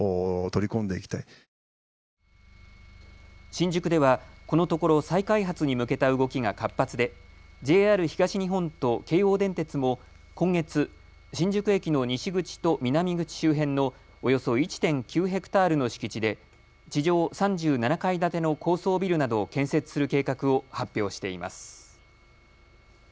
新宿ではこのところ再開発に向けた動きが活発でＪＲ東日本と京王電鉄も今月、新宿駅の西口と南口周辺のおよそ１．９ヘクタールの敷地で地上３７階建ての高層ビルなどを建設する計画を発表しています。